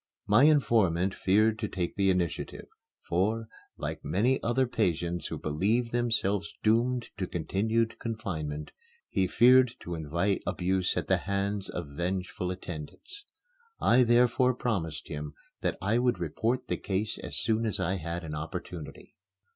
My informant feared to take the initiative, for, like many other patients who believe themselves doomed to continued confinement, he feared to invite abuse at the hands of vengeful attendants. I therefore promised him that I would report the case as soon as I had an opportunity.